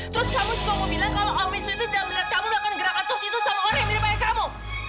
terus kamu suka mau bilang kalau omis itu tidak melihat kamu melakukan gerakan terus itu sama orang yang mirip kayak kamu